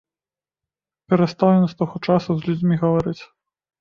Перастаў ён з таго часу з людзьмі гаварыць.